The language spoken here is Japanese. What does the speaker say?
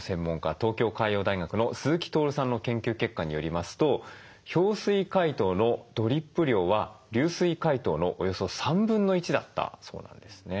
東京海洋大学の鈴木徹さんの研究結果によりますと氷水解凍のドリップ量は流水解凍のおよそ1/3だったそうなんですね。